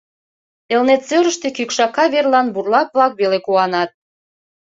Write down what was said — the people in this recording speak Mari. Элнет серыште кӱкшака верлан бурлак-влак веле куанат.